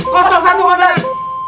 kosong satu komandan